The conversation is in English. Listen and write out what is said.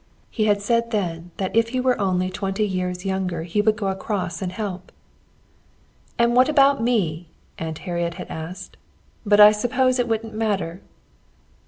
He had said then that if he were only twenty years younger he would go across and help. "And what about me?" Aunt Harriet had asked. "But I suppose I wouldn't matter."